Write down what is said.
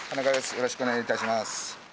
よろしくお願いします。